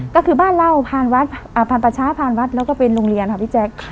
ก็คือบ้านเล่าผ่านประชาพานวัดแล้วก็เป็นโรงเรียนค่ะพี่แจ๊ค